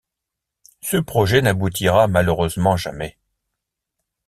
Ce projet n’aboutira malheureusement jamais.